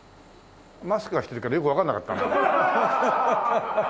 マスクしてるからよくわからなかったな。